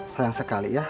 sayang sekali ya